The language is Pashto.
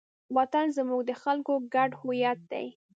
وطن زموږ د خلکو ګډ هویت دی.